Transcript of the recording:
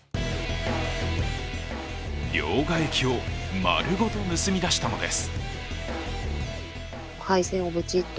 両替機を丸ごと盗み出したのです。